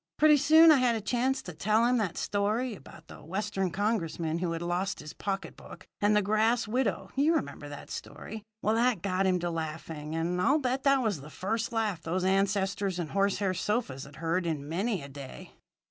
Pretty soon I got a chance to tell him that story about the Western Congressman who had lost his pocket book and the grass widow you remember that story. Well, that got him to laughing, and I'll bet that was the first laugh those ancestors and horsehair sofas had heard in many a day.